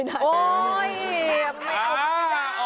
โอ๊ยไม่เอามาไม่ได้